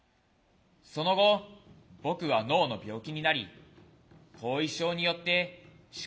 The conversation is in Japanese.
その後僕は脳の病気になり後遺症によって視覚に障害をもった。